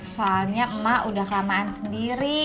soalnya emak udah kelamaan sendiri